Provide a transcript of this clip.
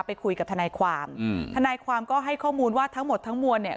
ไปคุยกับทนายความอืมทนายความก็ให้ข้อมูลว่าทั้งหมดทั้งมวลเนี่ย